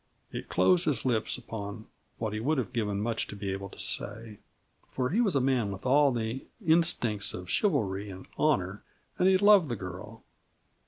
It closed his lips upon what he would have given much to be able to say; for he was a man with all the instincts of chivalry and honor and he loved the girl.